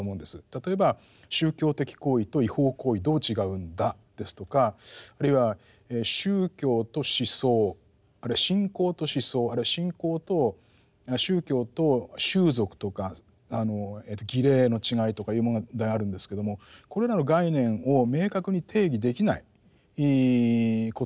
例えば宗教的行為と違法行為どう違うんだですとかあるいは宗教と思想あるいは信仰と思想あるいは信仰と宗教と習俗とか儀礼の違いとかいう問題があるんですけどもこれらの概念を明確に定義できないことがあると。